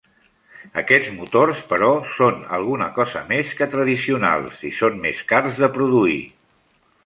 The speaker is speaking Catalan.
Aquests motors, però, són alguna cosa més que tradicionals i són més cars de produir.